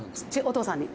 「お父さんに」